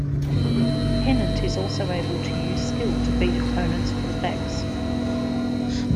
Pennant is also able to use skill to beat opponents' full backs.